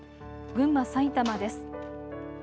群馬、埼玉です。